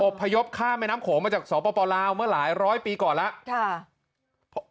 พยพข้ามแม่น้ำโขงมาจากสปลาวเมื่อหลายร้อยปีก่อนแล้ว